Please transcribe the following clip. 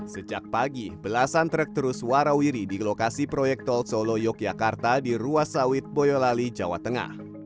sejak pagi belasan truk terus warawiri di lokasi proyek tol solo yogyakarta di ruas sawit boyolali jawa tengah